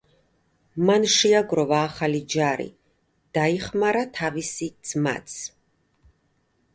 მან შეაგროვა ახალი ჯარი, დაიხმარა თავისი ძმაც.